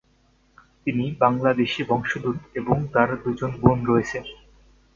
তিনি বাংলাদেশি বংশোদ্ভূত এবং তার দুইজন বোন রয়েছে।